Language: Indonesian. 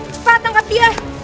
cepat tangkap dia